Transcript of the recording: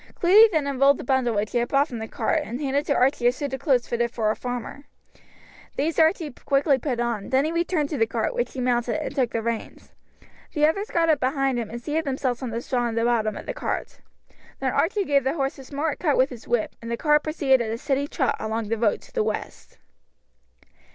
Cluny then unrolled the bundle which he had brought from the cart, and handed to Archie a suit of clothes fitted for a farmer. These Archie quickly put on, then he returned to the cart, which he mounted, and took the reins. The others got up behind him and seated themselves on the straw in the bottom of the cart. Then Archie gave the horse a smart cut with his whip, and the cart proceeded at a steady trot along the road to the west.